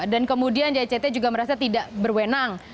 dan kemudian jict juga merasa tidak berwawenang